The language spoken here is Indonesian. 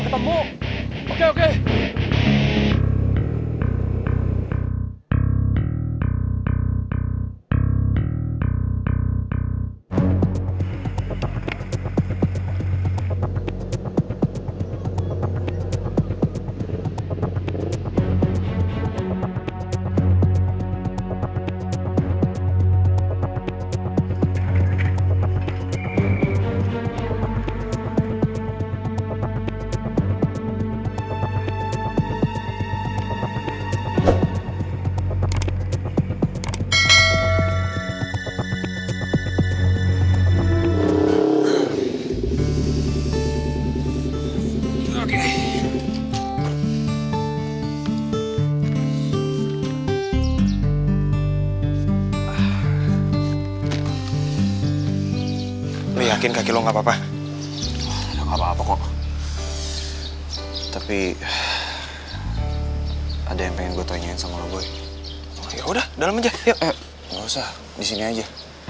tapi ada yang pengen gue tanyain sama lo boy ya udah dalam aja ya nggak usah disini aja